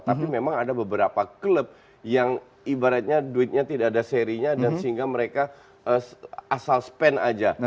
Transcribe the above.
tapi memang ada beberapa klub yang ibaratnya duitnya tidak ada serinya dan sehingga mereka asal spend aja